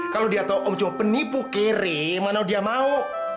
kalau dia tahu om jo penipu keri mana dia mau